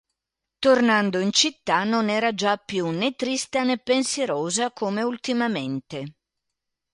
Tornando in città, non era già più nè trista, nè pensierosa come ultimamente.